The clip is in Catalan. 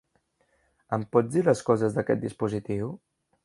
Em pots dir les coses d'aquest dispositiu?